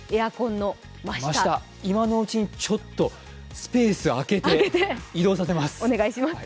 今のうちにちょっとスペース空けて移動させます。